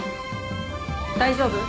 大丈夫？